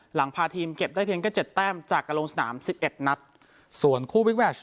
หลังพาทีมเก็บได้เพียงแค่เจ็ดแต้มจากการลงสนามสิบเอ็ดนัดส่วนคู่วิกแมช